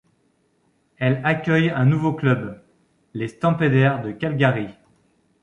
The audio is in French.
Elle accueille un nouveau club, les Stampeders de Calgary.